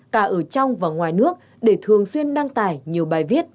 cả ở trong và ngoài nước để thường xuyên đăng tải nhiều bài viết